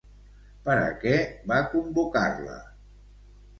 Per a què va convocar-la?